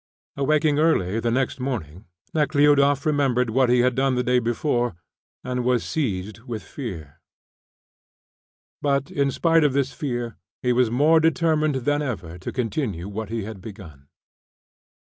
Awaking early the next morning, Nekhludoff remembered what he had done the day before, and was seized with fear. But in spite of this fear, he was more determined than ever to continue what he had begun.